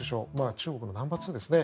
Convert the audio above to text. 中国のナンバーツーですね。